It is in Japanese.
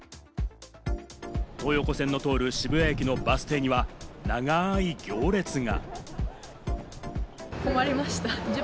東横線の通る、渋谷駅のバス停には長い行列が。